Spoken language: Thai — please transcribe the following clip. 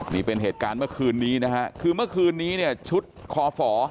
นี่เป็นเหตุการณ์เมื่อคืนนี้นะฮะคือเมื่อคืนนี้เนี่ยชุดคอฝ